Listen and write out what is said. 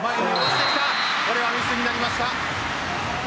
これはミスになりました。